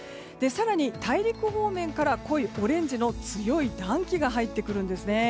更に大陸方面から濃いオレンジの強い暖気が入ってくるんですね。